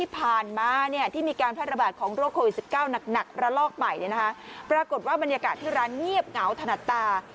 ปรากฏว่าบรรยากาศที่ร้านเงียบเหงาถนัดตา